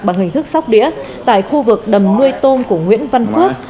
bằng hình thức sóc đĩa tại khu vực đầm nuôi tôm của nguyễn văn phước